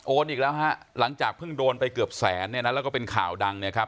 อีกแล้วฮะหลังจากเพิ่งโดนไปเกือบแสนเนี่ยนะแล้วก็เป็นข่าวดังเนี่ยครับ